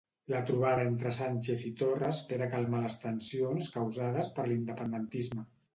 La trobada entre Sánchez i Torra espera calmar les tensions causades per l'independentisme.